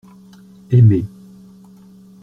Aimez.